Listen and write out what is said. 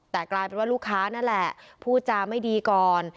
แต่กลายเป็นว่าลูกค้านั่นแหละพูดจาไม่ดีก่อน